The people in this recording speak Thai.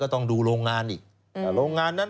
ต้องดูโรงงานอีกโรงงานนั้น